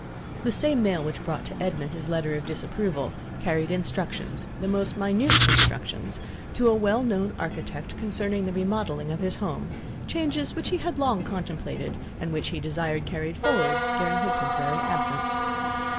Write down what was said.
The same mail which brought to Edna his letter of disapproval carried instructions—the most minute instructions—to a well known architect concerning the remodeling of his home, changes which he had long contemplated, and which he desired carried forward during his temporary absence.